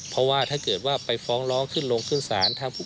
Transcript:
เพราะว่าถ้าเกิดว่าไปฟ้องร้องขึ้นลงขึ้นศาล